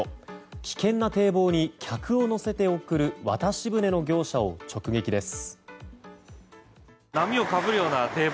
危険な堤防に客を乗せて送る渡し舟の業者を直撃です。